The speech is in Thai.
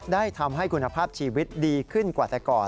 ได้ทำให้คุณภาพชีวิตดีขึ้นกว่าแต่ก่อน